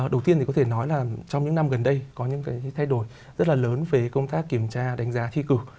đầu tiên thì có thể nói là trong những năm gần đây có những cái thay đổi rất là lớn về công tác kiểm tra đánh giá thi cử